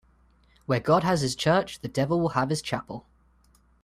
Where God has his church, the devil will have his chapel